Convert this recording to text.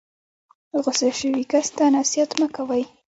غسه شوي کس ته نصیحت مه کوئ.